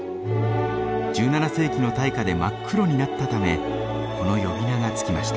１７世紀の大火で真っ黒になったためこの呼び名が付きました。